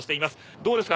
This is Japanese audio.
どうですか？